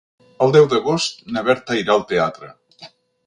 El deu d'agost na Berta irà al teatre.